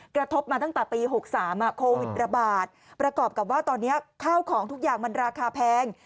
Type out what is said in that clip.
กระทบมาตั้งแต่ปี๖๓โควิดระบาดประกอบกับว่าตอนนี้ข้าวของทุกอย่างมันราคาแพง